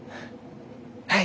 はい！